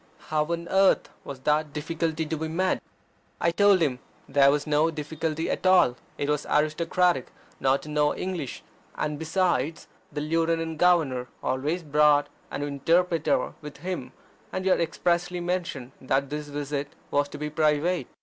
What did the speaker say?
How on earth was that difficulty to be met? I told him there was no difficulty at all: it was aristocratic not to know English: and, besides, the Lieutenant Governor always brought an interpreter with him, and he had expressly mentioned that this visit was to be private.